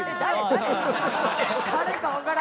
「誰かわからん」